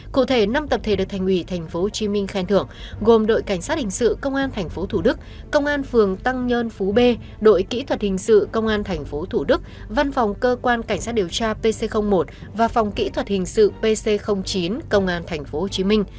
cụ thể năm tập thể được thành ủy tp hcm khen thưởng gồm đội cảnh sát hình sự công an tp hcm công an phường tăng nhơn phố b đội kỹ thuật hình sự công an tp hcm văn phòng cơ quan cảnh sát điều tra pc một và phòng kỹ thuật hình sự pc chín công an tp hcm